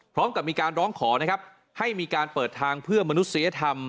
พร้อมกับมีการร้องขอนะครับให้มีการเปิดทางเพื่อมนุษยธรรม